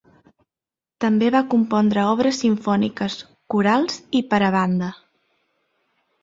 També va compondre obres simfòniques, corals i per a banda.